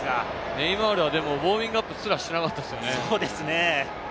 ネイマールはウオーミングアップすらしてなかったですからね。